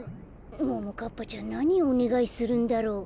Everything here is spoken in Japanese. ももかっぱちゃんなにおねがいするんだろう。